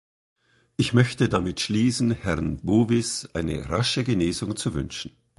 Ich möchte damit schließen, Herrn Bowis eine rasche Genesung zu wünschen.